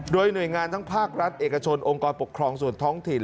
โดยหน่วยงานทั้งภาครัฐเอกชนองค์กรปกครองส่วนท้องถิ่น